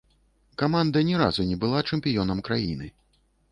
Каманда ні разу не была чэмпіёнам краіны.